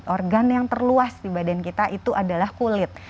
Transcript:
organ yang terluas di badan kita itu adalah kulit